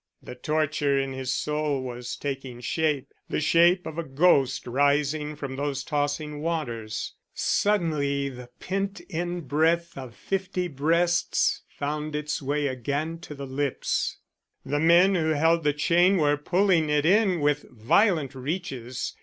The torture in his soul was taking shape, the shape of a ghost rising from those tossing waters. Suddenly the pent in breath of fifty breasts found its way again to the lips. The men who held the chain were pulling it in with violent reaches.